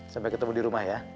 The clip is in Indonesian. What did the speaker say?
sampai ketemu di rumah ya